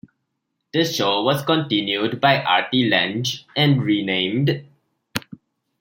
The show was continued by Artie Lange and renamed.